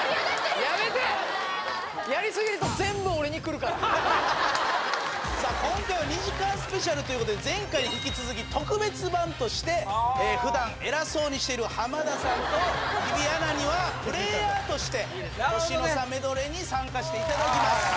やめてさあ今回は２時間スペシャルということで前回に引き続き特別版として普段偉そうにしてる浜田さんと日比アナにはプレイヤーとして年の差メドレーに参加していただきます